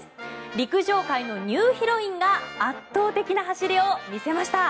陸上界のニューヒロインが圧倒的な走りを見せました。